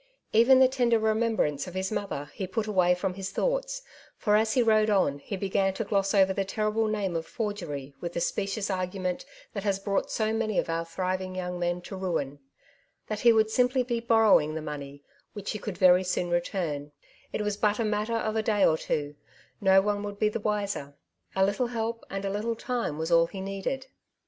Even the tender remembrance of his mother he put away from his thoughts ; for, as he rode on, he began to gloss over the terrible name of forgery with the specious argument that has brought so many of our thriving young men to ruin: that he would simply be borrowing the money, which he could very soon return; it was but a matter of a day or two ; no one would be the wiser; a little help and a little time was all he needed.